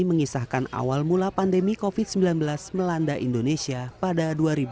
mengisahkan awal mula pandemi covid sembilan belas melanda indonesia pada dua ribu dua puluh